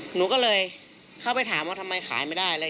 หนูก็เลยเข้าไปถามว่าทำไมขายไม่ได้อะไร